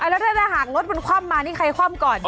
แล้วถ้าหากรถมันคว่ำมานี่ใครคว่ำก่อน